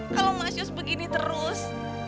kalau mas yus begini terus